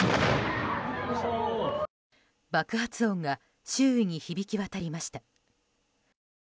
爆発音が周囲に響き渡りました。